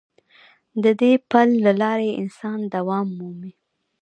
د دې پل له لارې انسان دوام مومي.